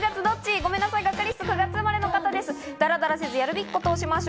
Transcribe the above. ごめんなさいガッカりす、９月生まれの方です。